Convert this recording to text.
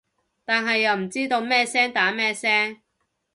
但係又唔知咩聲打咩聲